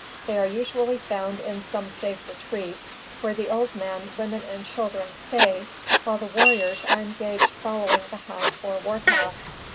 They are usually found in some safe retreat where the old men, women and children stay while the warriors are engaged following the hunt or war path.